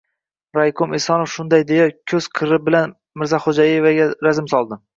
Raykom Esonov shunday deya, ko‘z qiri bilan Mirzaxo‘jaevaga razm soldi: